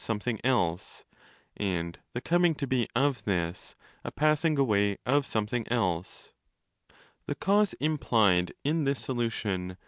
8 something else, and the coming to be of 225 a passing away of something else? The cause implied in this solution!